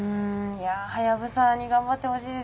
いやはやぶさに頑張ってほしいですね。